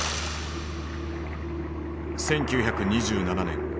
１９２７年。